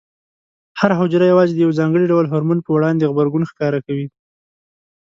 هره حجره یوازې د یو ځانګړي ډول هورمون په وړاندې غبرګون ښکاره کوي.